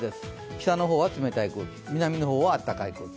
北の方は冷たい空気、南の方はあったかい空気。